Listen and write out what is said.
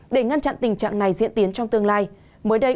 để ngăn chặn tình trạng này diễn tiến trong tương lai mới đây